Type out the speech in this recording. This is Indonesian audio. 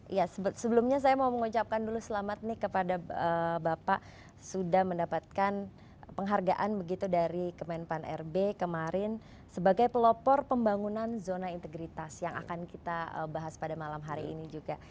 ya sebelumnya saya mau mengucapkan dulu selamat nih kepada bapak sudah mendapatkan penghargaan begitu dari kemenpan rb kemarin sebagai pelopor pembangunan zona integritas yang akan kita bahas pada malam hari ini juga